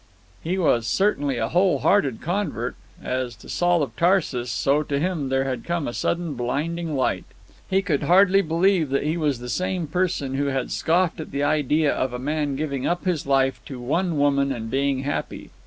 He was certainly a whole hearted convert. As to Saul of Tarsus, so to him there had come a sudden blinding light. He could hardly believe that he was the same person who had scoffed at the idea of a man giving up his life to one woman and being happy.